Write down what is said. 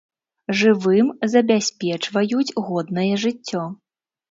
Жывым забяспечваюць годнае жыццё.